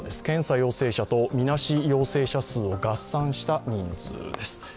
検査陽性者とみなし陽性者数を合算した人数です。